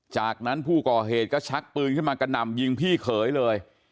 จากนั้นผู้ก่อเหตุก็ชักปืนขึ้นมากระหน่ำยิงพี่เขยเลย